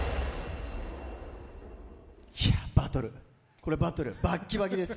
これバトル、バッキバキです！